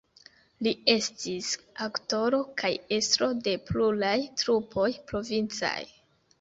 Li estis aktoro kaj estro de pluraj trupoj provincaj.